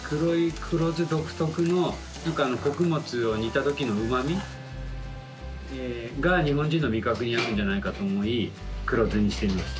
黒酢独特の何か穀物を煮たときのうま味が日本人の味覚に合うんじゃないかと思い黒酢にしてみました。